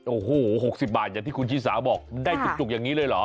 โอ้โห๖๐บาทอย่างที่คุณชิสาบอกได้จุกอย่างนี้เลยเหรอ